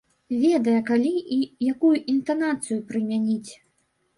Ведае, калі і якую інтанацыю прымяніць.